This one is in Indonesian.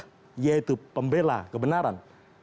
masyudul hakim yaitu pembela kebenaran